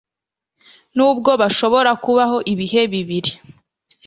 Nubwo hashobora kubaho ibihe bibi